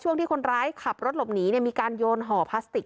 ที่คนร้ายขับรถหลบหนีมีการโยนห่อพลาสติก